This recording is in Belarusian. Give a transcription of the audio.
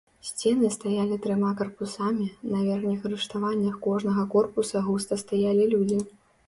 Сцены стаялі трыма карпусамі, на верхніх рыштаваннях кожнага корпуса густа стаялі людзі.